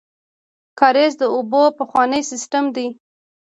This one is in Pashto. کاریز د اوبو پخوانی سیستم دی